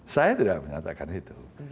saya tidak menyatakan itu